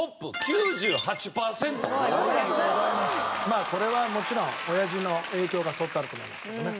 まあこれはもちろん親父の影響が相当あると思いますけどね。